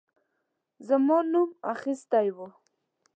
زما نوم اخیستی وو.